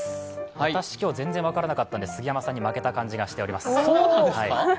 私、今日、全然分からなかったので、杉山さんに負けた感じがしております。